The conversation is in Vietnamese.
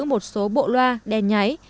một số bộ loa đen nháy